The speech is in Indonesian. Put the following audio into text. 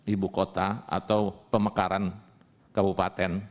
ibu kota atau pemekaran kabupaten